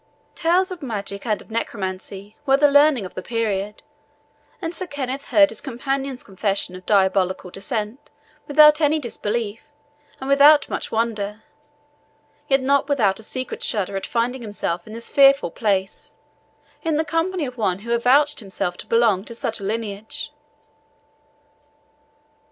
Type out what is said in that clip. Tales of magic and of necromancy were the learning of the period, and Sir Kenneth heard his companion's confession of diabolical descent without any disbelief, and without much wonder; yet not without a secret shudder at finding himself in this fearful place, in the company of one who avouched himself to belong to such a lineage.